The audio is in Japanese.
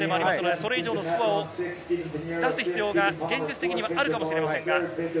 それ以上のスコアを出す必要があるかもしれません。